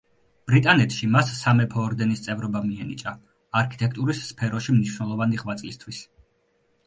ბრიტანეთში მას სამეფო ორდენის წევრობა მიენიჭა არქიტექტურის სფეროში მნიშვნელოვანი ღვაწლისთვის.